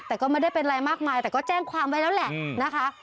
แต่ก็ไม่ได้เป็นอะไรมากมายแต่ก็แจ้งความไว้แล้วแหละนะคะ